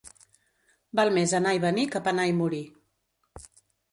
Val més anar i venir que penar i morir.